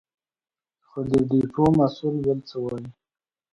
خو د ډېپو مسوول بل څه وايې.